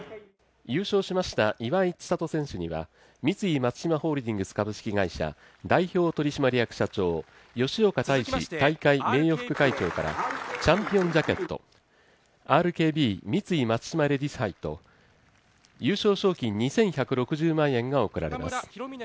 優勝しました岩井千怜選手には、三井松島ホールディングス株式会社代表取締役社長吉岡泰士大会名誉副会長より、チャンピオンジャケットＲＫＢ×三井松島レディス杯と優勝賞金２１６０万円が贈られます。